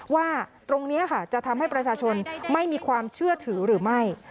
ว่าตรงนี้ค่ะจะทำให้ประชาชนไม่มีความเชื่อถือหรือไม่